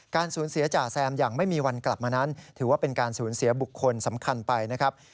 สูญเสียจ่าแซมอย่างไม่มีวันกลับมานั้นถือว่าเป็นการสูญเสียบุคคลสำคัญไปนะครับ